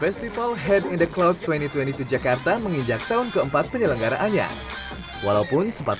festival head in the cloud dua ribu dua puluh jakarta menginjak tahun keempat penyelenggaraannya walaupun sempat